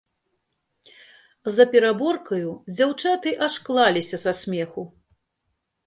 За пераборкаю дзяўчаты аж клаліся са смеху.